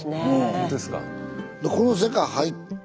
ほんとですか？